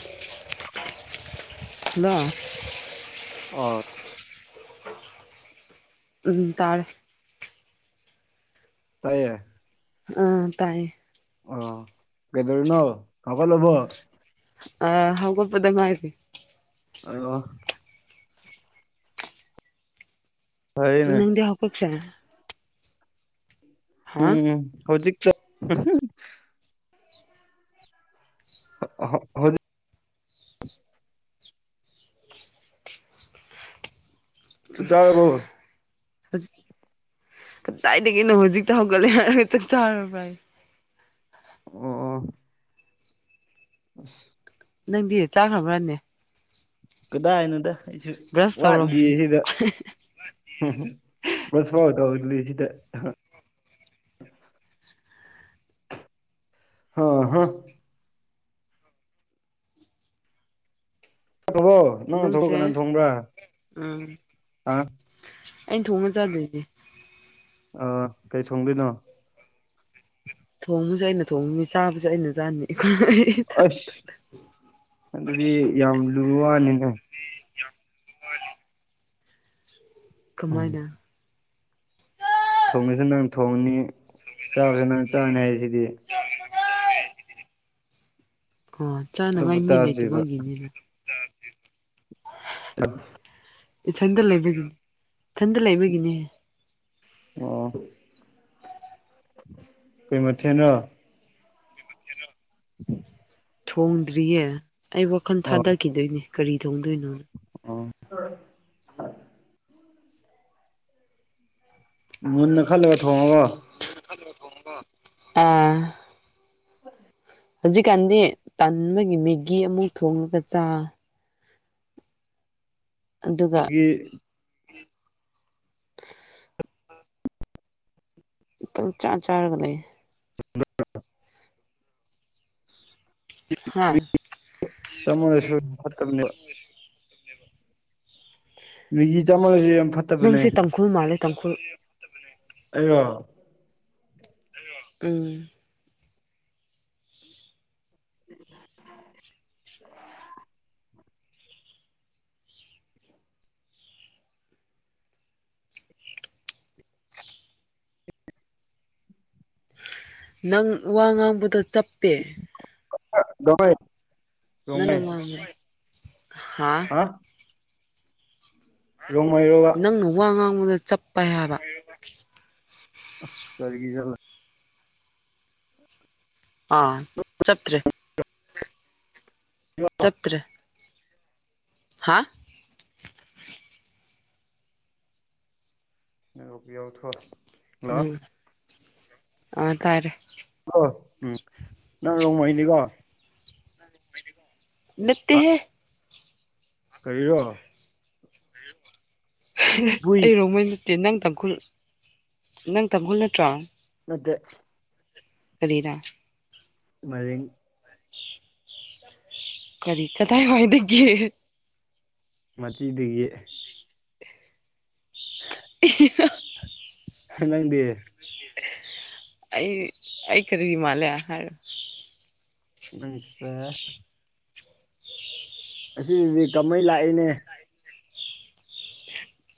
[inaudible] hello ꯑꯣ ꯎꯝ ꯇꯥꯔ ꯇꯥꯏꯌꯦ ꯑꯥ ꯇꯥꯏꯌꯦꯦ ꯑꯣ ꯀꯦꯗꯔꯤꯅ ꯀ ꯀꯣ ꯂꯕꯣ ꯑ ꯍꯒꯄꯗ ꯃꯥꯥꯏꯔꯤ ꯑ ꯐꯔꯦꯅꯦ ꯅꯪꯗꯦ ꯍꯀꯣ ꯀ ꯍꯥ ꯎꯝ ꯍꯧꯖꯤꯛ [unintelligible] ꯎ ꯆꯥꯛ ꯆꯥꯔꯕꯣ ꯍꯧꯖꯤ ꯀꯗꯥꯏꯗꯒꯤꯅꯣ ꯍꯧꯖꯤꯛꯇ ꯍꯧꯒꯠꯂꯦ ꯍꯥꯏꯔ ꯍꯦꯛꯇꯪ ꯆꯥꯔꯕ꯭ꯔ ꯍꯥꯏ ꯑꯣ ꯑꯣ ꯑ ꯅꯪꯗꯤ ꯆꯥꯈ꯭ꯔꯈ꯭ꯔꯅꯦ ꯀꯗꯥꯏꯅꯣꯗ ꯑꯩꯁꯨ ꯕ꯭ꯔꯁ ꯇꯧꯔꯝ ꯋꯥꯠꯗ ꯁꯤꯗ ꯎꯝꯝ ꯁ ꯐꯥꯎꯗꯗ ꯂꯤꯖꯤꯗ ꯍ ꯍ ꯆꯧꯕꯣ ꯅꯪ ꯊꯂꯛ ꯅꯪꯁꯦ ꯀꯩꯅ ꯊꯣꯡꯕ꯭ꯔꯥ ꯎꯝ ꯑ ꯑꯩꯅ ꯊꯣꯡꯕ ꯆꯥꯗꯣꯏꯅꯦ ꯑꯥ ꯀꯩ ꯊꯣꯡꯗꯣꯏꯅꯣ ꯊꯣꯡꯕꯁꯨ ꯑꯩꯅ ꯊꯣꯡꯉꯅꯤ ꯆꯥꯕꯁꯨ ꯑꯩꯅ ꯆꯥꯅꯤ ꯑꯁ ꯑꯗꯨꯗꯤ ꯌꯥꯝ ꯂꯨ ꯋꯥꯅꯤꯅꯦ ꯎꯝ ꯀꯃꯥꯏꯅ ꯊꯣꯡꯉꯁꯨ ꯅꯪ ꯊꯣꯡꯅꯤ ꯆꯥꯕꯁꯨ ꯅꯪ ꯆꯥꯅꯤ ꯍꯥꯏꯁꯤꯗꯤ ꯑꯣ ꯑꯇꯣꯞꯄ ꯆꯥꯅꯉꯥꯏ ꯃꯤ ꯆꯥꯗ꯭ꯔꯤꯕ ꯂꯩꯇꯕꯒꯤꯅꯤꯅ ꯇꯝ ꯏꯊꯟꯗ ꯂꯩꯕꯒꯤ ꯏꯊꯟꯗ ꯂꯩꯕꯒꯤꯅꯦ ꯑꯣ ꯀꯩ ꯃꯊꯦꯟ ꯅꯣ [unintelligible] ꯊꯣꯡꯗ꯭ꯔꯤꯌꯦ ꯑꯩ ꯋꯥꯈꯜ ꯑꯣ ꯊꯥꯗꯈꯤꯗꯣꯏꯅꯦ ꯀꯔꯤ ꯊꯣꯡꯗꯣꯏꯅꯣ ꯑꯣ [unintelligible] ꯃꯨꯟꯅ ꯈꯜꯂꯒ ꯊꯣꯡꯉꯣꯀꯣ ꯀꯣ ꯑꯥ ꯍꯧꯖꯤꯛꯀꯥꯟꯗꯤ ꯇꯟꯕꯒꯤ ꯃꯦꯒꯤ ꯑꯃꯨꯛ ꯊꯣꯉꯒ ꯆꯥ ꯑꯗꯨꯒ ꯏ ꯄꯪꯆ ꯆꯥꯔꯒ ꯂꯩ [unintelligible] ꯍꯥ [unintelligible] ꯆꯥꯃꯜꯂꯁꯨ ꯐꯠꯇꯕꯅꯦꯕ ꯃꯤꯒꯤ ꯆꯥꯝꯃꯜꯂꯁꯨ ꯌꯥꯝ ꯐꯠꯇꯕꯅꯦ ꯅꯪꯁꯦ ꯇꯥꯡꯈꯨꯜ ꯃꯥꯜꯂꯦ ꯇꯥꯡꯈꯨꯜ ꯑꯩꯔꯣ ꯑꯩꯔꯣ ꯎꯝ [unintelligible] [inaudible] ꯅꯪ ꯋꯥ ꯉꯥꯡꯕꯗꯣ ꯆꯞꯄꯦ [unintelligible] [inaudible] ꯅꯪꯅ ꯔꯣꯡꯃꯩ ꯉꯥꯡꯕ ꯍꯥ ꯑ ꯔꯨꯝ ꯍꯣꯏꯔꯣ ꯅꯪꯅ ꯋꯥ ꯉꯥꯡꯕꯗ ꯆꯞꯄꯦ ꯍꯥꯏꯕ ꯑꯁ ꯀꯔꯒꯤꯔꯂꯦ ꯑꯥ ꯆꯞꯇ꯭ꯔꯦ ꯆꯞꯇ꯭ꯔꯦ ꯍꯥ ꯑꯦꯔꯣꯕꯤ ꯌꯥꯎꯊꯣꯔꯦ ꯅꯣ ꯑꯥ ꯇꯥꯔꯦ ꯑꯣ ꯎꯝ ꯅꯪ ꯔꯣꯡꯃꯩꯅꯤꯀꯣ ꯍꯥ ꯅꯠꯇꯦꯍꯦ ꯀꯔꯤꯔꯣ [unintelligible] ꯍꯨꯏ ꯑꯩ ꯔꯣꯡꯃꯩ ꯅꯠ ꯑꯦ ꯅꯪ ꯇꯥꯡꯈꯨꯜ ꯅꯪ ꯇꯥꯡꯈꯨꯜ ꯅꯠꯇ꯭ꯔꯥ ꯃꯠꯇꯦ ꯀꯔꯤꯔ ꯃꯔꯤꯡ ꯀꯔꯤ ꯀꯗꯥꯥꯏ ꯋꯥꯏꯗꯒꯤ ꯃꯆꯤ ꯗꯒꯤ [unintelligible] ꯅꯪꯗꯤ ꯑꯩ ꯑꯩ ꯀꯔꯤ ꯃꯥꯜꯂꯦ ꯍꯥꯏꯔꯣ ꯅꯪꯁꯦ [unintelligible] ꯑꯁꯤꯗꯗꯤ ꯀꯥꯃꯩ ꯂꯥꯛꯑꯦꯅꯦ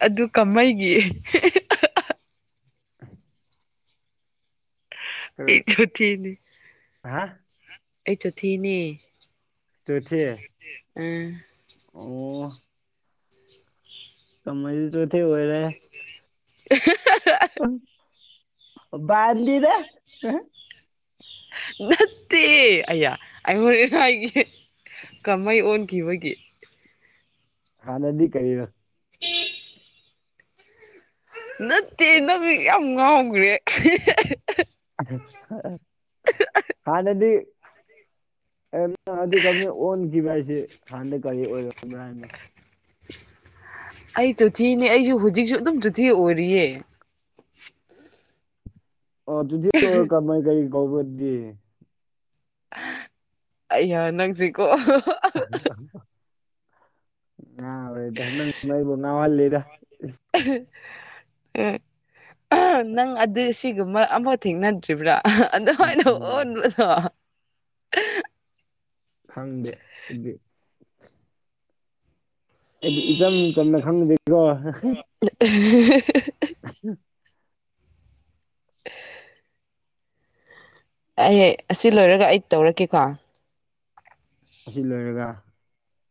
ꯑꯗꯨ ꯀꯥꯃꯩꯒꯤ [unintelligible] [unintelligible] ꯑꯩ ꯆꯣꯊꯤꯅꯦ ꯍꯥ ꯑꯩ ꯆꯣꯊꯦꯅꯦ ꯆꯣꯊꯦ ꯊꯦ ꯎꯝ ꯑꯣ ꯇꯧꯅꯔꯤꯗꯣ ꯑꯗꯨꯏ ꯑꯣꯏꯔꯦ [unintelligible] ꯃꯥꯥꯟꯗꯤꯗ ꯅꯠꯇꯦ ꯑꯌꯥ ꯑꯩ ꯍꯣꯔꯦꯟꯅ ꯑꯩꯒꯤ ꯀꯃꯩ ꯑꯣꯟꯈꯤꯕꯒꯤ ꯍꯥꯟꯅꯗꯤ ꯀꯔꯤꯔ ꯅꯠꯇꯦ ꯅꯪ ꯌꯥꯝ ꯉꯥꯎꯈ꯭ꯔꯦ ꯍꯥꯟꯅꯗꯤ ꯑꯗꯨ ꯀꯅ ꯑꯣꯟꯈꯤꯕ ꯍꯥꯏꯁꯦ ꯍꯥꯟꯅ ꯀꯔꯤ ꯑꯣꯏꯔꯕ꯭ꯔꯥꯅꯦ ꯑꯩ ꯆꯣꯊꯤꯅꯦ ꯑꯩꯁꯨ ꯍꯧꯖꯤꯛꯁꯨ ꯑꯗꯨꯝ ꯆꯣꯊꯤ ꯑꯣꯏꯔꯤꯌꯦ ꯑꯣ ꯑꯗꯨꯗꯤ ꯀꯃꯥꯏ ꯀꯔꯤ ꯀꯧꯕꯗꯤ ꯑꯩꯅ ꯅꯪꯁꯤꯀꯣ [unintelligible] ꯉꯥꯎꯔꯦꯗ ꯅꯪꯅ ꯑꯩꯕꯨ ꯉꯥꯎꯍꯜꯂꯦꯗ [unintelligible] ꯑꯦ ꯅꯪ ꯑꯗꯨ ꯁꯤꯒꯨꯝꯕ ꯑꯃꯐꯥꯎ ꯊꯦꯡꯅꯗ꯭ꯔꯤꯕ꯭ꯔꯥ ꯑꯗꯨꯃꯥꯏꯅ ꯎꯝ ꯑꯣꯟꯕꯗꯣ ꯈꯪꯗꯦ ꯑꯩꯗꯤ ꯑꯩꯗꯤ ꯏꯆꯝ ꯆꯝꯅ ꯈꯪꯕꯗꯦꯀꯣ ꯑꯩ ꯑꯁꯤ ꯂꯣꯏꯔꯒ ꯑꯩ ꯇꯧꯔꯛꯀꯦꯀꯣ ꯑꯁꯤ ꯂꯣꯏꯔꯒ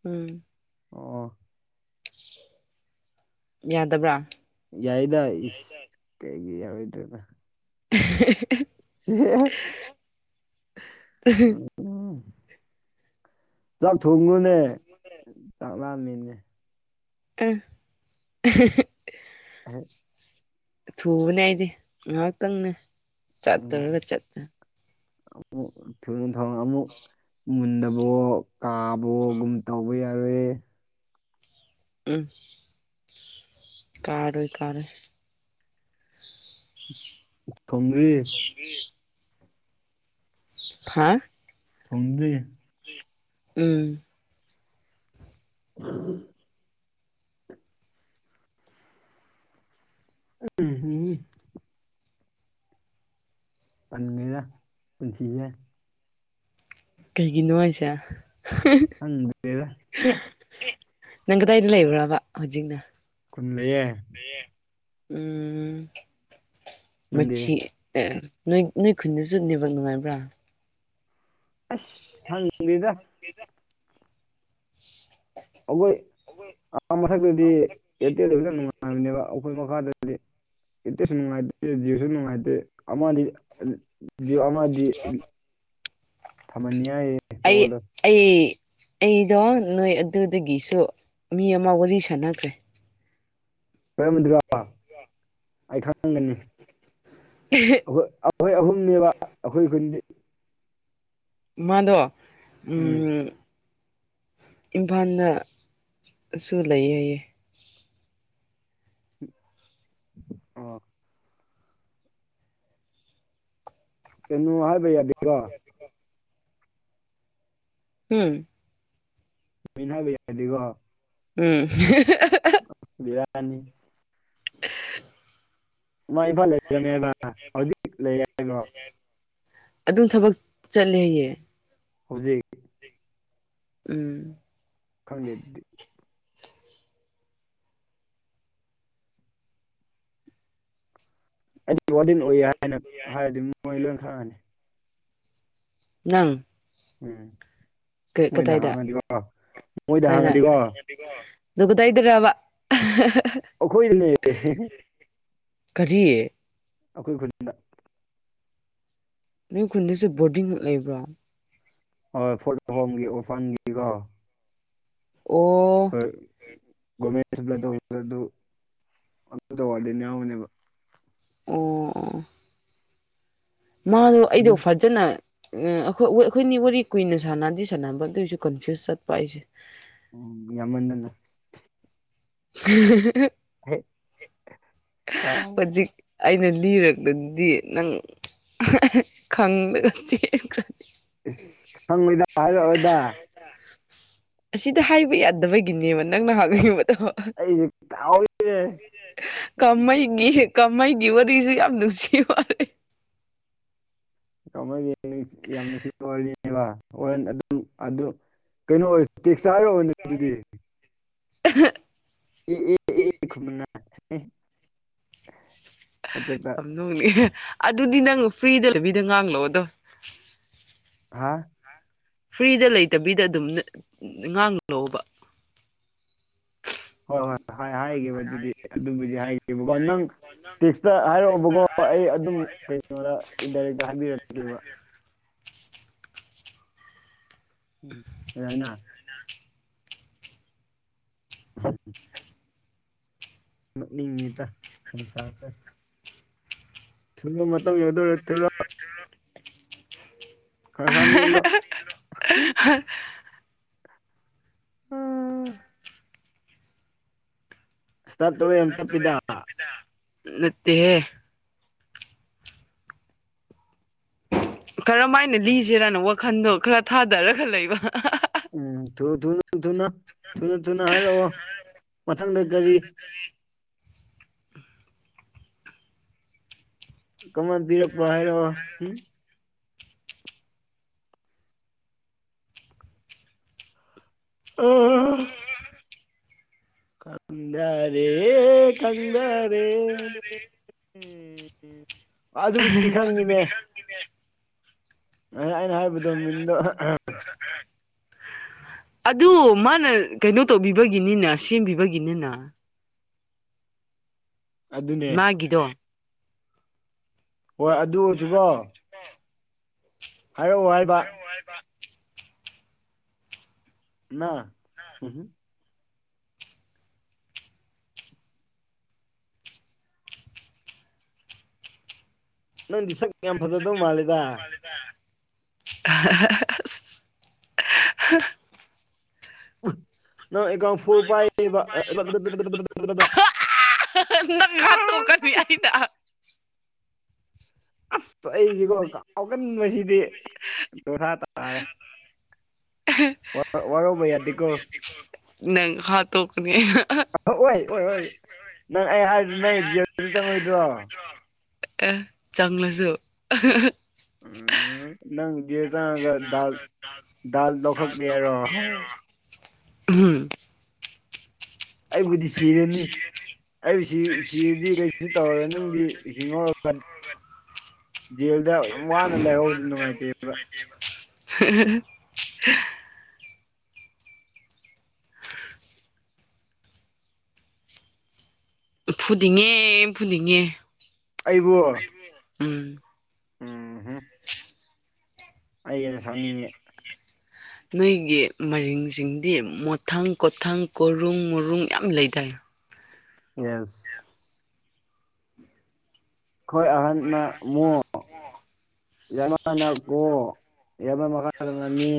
ꯎꯝ ꯑꯣ ꯌꯥꯗꯕ꯭ꯔꯥ ꯌꯥꯏꯗ ꯏꯁ ꯀꯩꯒꯤ ꯌꯥꯎꯔꯣꯏꯗ꯭ꯔꯦꯕ [unintelligible] [unintelligible] [unintelligible] ꯆꯥꯛ ꯊꯣꯡꯉꯨꯅꯦ ꯆꯥꯛ ꯂꯝꯃꯤꯅꯦ [unintelligible] [unintelligible] ꯊꯨꯕꯅꯦ ꯑꯩꯗꯤ ꯉꯥꯏꯍꯥꯛꯇꯪꯅꯦ ꯆꯠꯇꯔꯒ ꯆꯠꯇ ꯊꯨꯅ ꯊꯥꯟꯅ ꯑꯃꯨꯛ ꯃꯨꯟꯗꯕꯣ ꯀꯥꯕꯣꯒꯨꯝ ꯇꯧꯕ ꯌꯥꯔꯣꯏꯑꯦ ꯎꯝ ꯀꯥꯔꯣꯏ ꯀꯥꯔꯣꯏ ꯊꯣꯡꯗ꯭ꯔꯤ [unintelligible] ꯍꯥꯥ ꯊꯣꯡꯗ꯭ꯔꯤ ꯎꯝ [unintelligible] ꯎꯝ ꯇꯜꯂꯤꯗ ꯄꯨꯟꯁꯤꯁꯦ ꯀꯩꯒꯤꯅꯣ ꯍꯥꯏꯁꯦ ꯈꯪꯗꯦꯗ ꯅꯪ ꯀꯗꯥꯏꯗ ꯂꯩꯕ꯭ꯔꯥꯕ ꯍꯧꯖꯤꯛꯅ ꯈꯨꯟꯗ ꯂꯩꯌꯦ ꯎꯝ ꯅꯪꯗꯤ ꯃꯆꯤ ꯅꯣꯏ ꯅꯣꯏ ꯈꯨꯟꯗ ꯆꯠꯅꯦꯕ ꯅꯨꯡꯉꯥꯏꯕ꯭ꯔꯥ ꯑꯁ ꯈꯪꯗꯦꯗ ꯑꯩꯈꯣꯏ ꯑ ꯃꯊꯛꯇꯗꯤ ꯑꯦꯌꯥꯔꯇꯦꯜ‌ꯗꯨ ꯐꯖꯅ ꯅꯨꯡꯉꯥꯏꯕꯅꯦꯕ ꯑꯩꯈꯣꯏ ꯃꯈꯥꯗ [unintelligible] ꯅꯨꯡꯉꯥꯏꯇꯦ ꯖꯤꯑꯣꯁꯨ ꯅꯨꯡꯉꯥꯏꯇꯦ ꯑꯃꯗꯤ ꯖꯤꯑꯣ ꯑꯃꯗꯤ ꯊꯝꯃꯟ ꯌꯥꯏꯍꯦ ꯑꯩ [unintelligible] ꯑꯩ ꯑꯩꯗꯣ ꯅꯣꯏ ꯑꯗꯨꯗꯒꯤꯁꯨ ꯃꯤ ꯑꯃ ꯋꯥꯔꯤ ꯁꯥꯟꯅꯈ꯭ꯔꯦ ꯀꯔꯝꯕꯗꯨꯔꯣ ꯑꯩ ꯈꯪꯒꯅꯤ [unintelligible] ꯑꯩꯈꯣꯏ ꯑꯩꯈꯣꯏ ꯑꯍꯨꯝꯅꯦꯕ ꯑꯩꯈꯣꯏ ꯈꯨꯟꯒꯤ ꯃꯥꯗꯣ ꯎꯝ ꯏꯝꯐꯥꯜꯗꯁꯨꯨ ꯂꯩꯌꯦ ꯍꯥꯏꯌꯦ ꯑꯣ ꯀꯩꯅꯣ ꯍꯥꯏꯕ ꯌꯥꯗꯦꯒꯣ ꯎꯝ ꯃꯤꯡ ꯍꯥꯏꯕ ꯌꯥꯗꯤꯀꯣ ꯎꯝ [unintelligible] ꯕꯦꯔꯥꯅꯤ ꯑ [unintelligible] ꯃꯥ ꯏꯝꯐꯥꯜ ꯂꯩꯕꯅꯦꯕ ꯍꯧꯖꯤꯛ ꯂꯩ ꯍꯥꯏꯕ꯭ꯔꯣ ꯑꯗꯨꯝ ꯊꯕꯛ ꯆꯠꯂꯦ ꯍꯥꯏꯌꯦ ꯍꯧꯖꯤꯛ ꯎꯝ ꯈꯪꯗꯦ ꯑꯗꯨꯗꯤ ꯑꯩꯗꯤ ꯋꯥꯔꯗꯦꯟ ꯑꯣꯏ ꯍꯥꯏꯅ ꯍꯥꯏꯔꯗꯤ ꯃꯣꯏ ꯂꯣꯏ ꯈꯪꯉꯅꯤ ꯅꯪ ꯎꯝ ꯃꯣꯏꯗ ꯀꯗꯥꯏꯗ ꯍꯥꯡꯉꯗꯤꯀꯣ ꯃꯣꯏꯗ ꯀꯗꯥꯏꯗ ꯍꯥꯡꯉꯗꯤꯀꯣ ꯑꯗꯨ ꯒꯗꯥꯏꯗꯔꯕ [unintelligible] ꯑꯈꯣꯏꯗꯅꯦ ꯀꯔꯤ ꯑꯩꯈꯣꯏ ꯈꯨꯟ ꯅꯣꯏ ꯈꯨꯟꯗꯁꯨꯦ ꯕꯣꯔꯗꯤꯡ ꯂꯩꯕ꯭ꯔꯣ ꯍꯣꯏ [unintelligible] ꯍꯣꯝꯒꯤ ꯑꯣꯔꯐꯥꯟꯒꯤꯀꯣ ꯑꯣ ꯍꯣꯏ ꯒꯣꯔꯃꯦꯟ [unintelligible] ꯑꯣ ꯃꯥꯗꯣ ꯑꯩꯗꯣ ꯑꯗꯨ ꯐꯖꯅ ꯑꯣ ꯑꯩꯈꯣꯏꯅꯤ ꯋꯥꯔꯤ ꯀꯨꯏꯅ ꯁꯥꯟꯅꯗꯤ ꯁꯥꯟꯅꯕ ꯑꯗꯨꯏꯁꯨ ꯀꯟꯐ꯭ꯌꯨꯁ ꯆꯠꯄ ꯑꯩꯁꯦ ꯎꯝ ꯌꯥꯝꯃꯟꯗꯅ ꯍꯦꯛ ꯑꯥ [unintelligible] ꯍꯨꯖꯤꯛ ꯑꯩꯅ ꯂꯤꯔꯛꯇꯗꯤ ꯅꯪ ꯈꯡꯗꯅ ꯆꯦꯟꯈ꯭ꯔꯅꯤ ꯏꯁ ꯈꯪꯉꯣꯏꯗ ꯍꯥꯏꯔꯛꯑꯣꯏꯗ ꯑꯁꯤꯗ ꯍꯥꯏꯕ ꯌꯥꯗꯕꯒꯤ ꯅꯦꯕ ꯅꯪꯅ ꯑꯁ ꯍꯪꯅꯤꯡꯕꯗꯣ ꯑꯩꯁꯦ ꯀꯥꯎꯋꯤꯅꯦ [unintelligible] ꯃꯩꯒꯤ ꯀꯃꯩꯒꯤ ꯋꯥꯔꯤꯁꯨ ꯌꯥꯝ ꯅꯨꯡꯁꯤ ꯋꯥꯅꯦ [unintelligible] ꯀꯃꯩꯒꯤ ꯋꯥꯔꯤꯁꯨ ꯌꯥꯝꯅ ꯅꯨꯡꯁꯤ ꯋꯥꯔꯤꯅꯦꯕ [unintelligible] ꯑꯗꯨꯝ ꯑꯗꯨ ꯀꯩꯅꯣ [unintelligible] ꯇꯦꯛꯁꯇ ꯍꯥꯏꯔꯛꯑꯣꯅ ꯑꯗꯨꯗꯤ [unintelligible] ꯑꯗꯨꯒ [unintelligible] ꯑꯗꯨꯗꯤ ꯅꯪ ꯐ꯭ꯔꯤꯗ ꯂꯩꯕꯤꯗ ꯉꯥꯡꯂꯛꯑꯣꯗꯣ ꯍꯥꯥ ꯐ꯭ꯔꯤꯗ ꯂꯩꯇꯕꯤꯗ ꯑꯗꯨꯝ ꯉꯥꯡꯂꯣꯕ ꯍꯣꯏ ꯍꯣꯏ ꯍꯣꯏ ꯍꯥꯏꯒꯦꯕ ꯑꯗꯨꯗꯤ ꯑꯗꯨꯕꯨꯗꯤ ꯍꯥꯏꯒꯦꯕꯀꯣ ꯅꯪ ꯅꯪ ꯇꯦꯛꯁꯇ ꯍꯥꯏꯔꯛꯑꯣꯕꯀꯣ ꯑꯩ ꯑꯗꯨꯝ ꯀꯩꯅꯣꯗ ꯏꯟꯗꯥꯏꯔꯦꯛꯇ ꯍꯥꯏꯕꯤꯔꯛꯑꯒꯦꯕ [unintelligible] [unintelligible] [unintelligible] ꯅꯣꯛꯅꯤꯡꯉꯤꯗ ꯁꯪꯁꯥꯔꯁꯦ ꯊꯤꯕꯥ ꯃꯥꯇꯝ ꯍꯦꯟꯗꯧꯔꯦ ꯊꯤꯔꯣ [unintelligible] [unintelligible] [unintelligible] [unintelligible] ꯎꯝ [unintelligible] ꯌꯥꯝ ꯇꯞꯄꯤꯗ ꯅꯠꯇꯦꯍꯦ ꯀꯔꯝ ꯍꯥꯏꯅ ꯂꯤꯁꯤꯔꯥꯅ ꯋꯥꯈꯟꯗꯣ ꯈꯔ ꯊꯥꯗꯔꯒ ꯂꯩꯕ ꯎꯝ ꯊꯨ ꯊꯨꯅ ꯊꯨꯅ ꯊꯨꯅ ꯊꯨꯅ ꯍꯥꯏꯔꯛꯑꯣ ꯃꯊꯪꯗ ꯀꯔꯤ ꯀꯃꯥꯟ ꯄꯤꯔꯛꯄ ꯍꯥꯏꯔꯣ [unintelligible] ꯈꯥꯪꯗꯔꯦ ꯈꯥꯪꯗꯔꯦ ꯎ ꯑꯗꯨꯕꯨꯗꯤ ꯈꯪꯉꯤꯅꯦ ꯉꯁꯥꯏ ꯑꯩꯅ ꯍꯥꯏꯕꯗꯣ ꯃꯤꯡꯗꯣ ꯑꯗꯨ ꯃꯥꯅ ꯀꯩꯅꯣ ꯇꯧꯕꯤꯕꯒꯤꯅꯤꯅ ꯁꯦꯝꯕꯤꯕꯒꯤꯅꯤꯅ ꯑꯗꯨꯅꯦ ꯃꯥꯒꯤꯗꯣ ꯍꯣꯏ ꯑꯗꯨꯁꯨꯀꯣ ꯍꯥꯏꯔꯛꯑꯣ ꯍꯥꯏꯕ [unintelligible] ꯅ [unintelligible] ꯅꯪꯗꯤ ꯁꯛ ꯌꯥꯝ ꯐꯖꯗꯧ ꯃꯥꯜꯂꯤꯗ [unintelligible] ꯅ ꯑꯦꯀꯥ ꯐꯣꯔꯕꯨ [unintelligible] [unintelligible] [unintelligible] ꯅꯪ [unintelligible] ꯑꯁ ꯑꯩꯁꯤꯀꯣ ꯀꯥꯎꯒꯟꯕꯁꯤꯗꯤ ꯕꯦꯔꯥ ꯇꯥꯔꯦ ꯋꯥꯔꯧꯕ ꯌꯥꯗꯦꯀꯣ ꯅꯪ ꯍꯥꯥꯠꯇꯣꯛꯀꯅꯤ ꯑꯣꯏ ꯑꯣꯏ ꯑꯣꯏꯣꯏ ꯅꯪ ꯑꯩ ꯍꯥꯏꯗꯨ ꯅꯣꯏ [unintelligible] ꯑ ꯆꯝꯂꯁꯨ ꯎꯝ ꯅꯪꯒꯤ ꯍꯤꯟꯖꯥꯡꯒꯥ ꯗꯥꯜ ꯗꯥꯜ ꯂꯧꯈꯠꯀꯦꯔꯣ ꯑꯍꯝ ꯑꯩꯕꯨꯗꯤ ꯁꯤꯔꯅꯤ ꯑꯩꯕꯨ ꯁꯤꯔꯗꯤ ꯁꯤ ꯇꯧꯔꯔꯦ ꯅꯪꯗꯤ ꯍꯤꯡꯉꯨꯔꯒ ꯖꯦꯜꯗ ꯌꯥꯝꯝ ꯋꯥꯅ ꯂꯩꯍꯧꯕꯗꯨ ꯅꯨꯡꯉꯥꯏꯇꯦꯕ [unintelligible] ꯐꯨꯅꯤꯡꯉꯦ ꯐꯨꯅꯤꯡꯉꯦ ꯑꯩꯕꯨ ꯎꯝ ꯎꯝ ꯍꯨꯝ [unintelligible] ꯑꯩ ꯑꯩꯅ ꯁꯥꯎꯅꯤꯡꯉꯦ ꯅꯣꯏꯒꯤ ꯃꯔꯤꯡꯁꯤꯡꯗꯤ ꯃꯣꯊꯪ ꯀꯣꯊꯪ ꯀꯣꯔꯨꯡ ꯃꯣꯔꯨꯡ ꯌꯥꯝ ꯂꯩꯗꯥꯏ ꯌꯦꯁ ꯈꯣꯏ ꯑꯍꯥꯟꯅ ꯃꯣ ꯌꯥꯝꯕꯅ ꯒꯣ ꯌꯥꯝꯃ ꯃꯈꯥꯗ ꯃꯦ